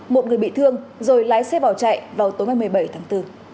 một người bị thương rồi lái xe bỏ chạy vào tối ngày một mươi bảy tháng bốn